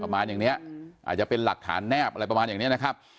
ประมาณอย่างนี้อาจจะเป็นหลักฐานแนบอะไรประมาณอย่างนี้นะครับ